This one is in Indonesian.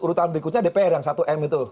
urutan berikutnya dpr yang satu m itu